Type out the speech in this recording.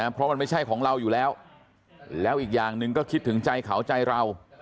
เพราะมันไม่ใช่ของเราอยู่แล้วแล้วอีกอย่างหนึ่งก็คิดถึงใจเขาใจเรา